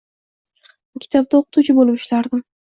Maktabda o`qituvchi bo`lib ishlardim